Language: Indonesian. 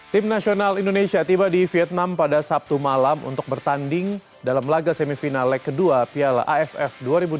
tim nasional indonesia tiba di vietnam pada sabtu malam untuk bertanding dalam laga semifinal leg kedua piala aff dua ribu dua puluh